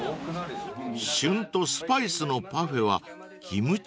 ［旬とスパイスのパフェはキムチ入り？］